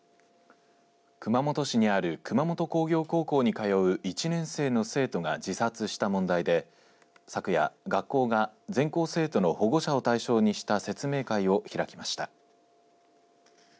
熊本市にある熊本工業高校に通う１年生の生徒が自殺した問題で昨夜、学校が全校生徒の保護者を対象にした説明会を開きました。